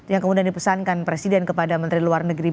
yang kemudian dipesankan presiden kepada menteri luar negeri